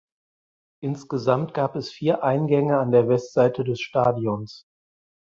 Insgesamt gab es vier Eingänge an der Westseite des Stadions.